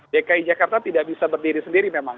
dki jakarta tidak bisa berdiri sendiri memang